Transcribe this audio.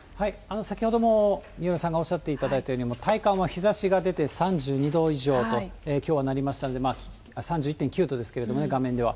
先ほども三浦さんがおっしゃっていただいたように、体感は日ざしが出て、３２度以上と、きょうはなりましたので、３１．９度ですけれどもね、画面では。